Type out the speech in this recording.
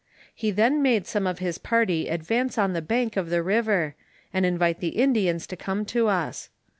He then made some of his party advance on the bank of the river, and invite the Indians to come to us.